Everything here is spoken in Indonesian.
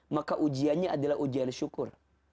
maka ujiannya adalah ujian syukur